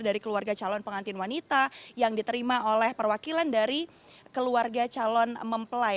dari keluarga calon pengantin wanita yang diterima oleh perwakilan dari keluarga calon mempelai